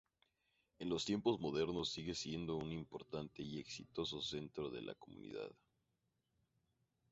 En los tiempos modernos sigue siendo un importante y exitoso centro de la comunidad.